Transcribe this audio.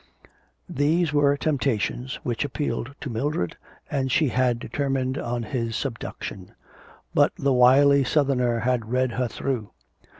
These were temptations which appealed to Mildred and she had determined on his subduction. But the wily Southerner had read her through.